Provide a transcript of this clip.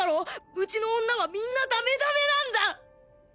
うちの女はみんなだめだめなんだ！